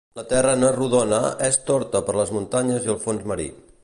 La terra no és rodona és torta per les muntanyes i el fons marí